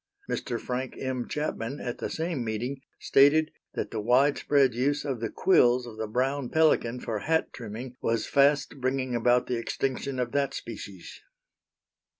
Mr. Frank M. Chapman, at the same meeting, stated that the wide spread use of the quills of the brown pelican for hat trimming was fast bringing about the extinction of that species.